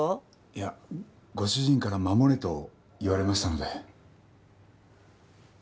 いやご主人から護れと言われましたので。